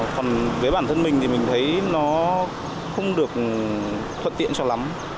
còn với bản thân mình thì mình thấy nó không được thuận tiện cho lắm